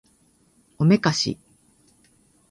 おめかし